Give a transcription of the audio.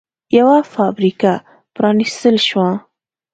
یوه فابریکه پرانېستل شوه